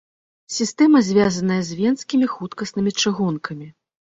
Сістэма звязаная з венскімі хуткаснымі чыгункамі.